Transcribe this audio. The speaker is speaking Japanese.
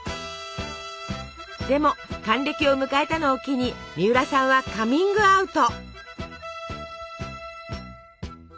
でも還暦を迎えたのを機にみうらさんはカミングアウト。